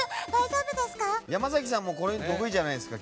山崎さんもこういうの結構得意じゃないですか？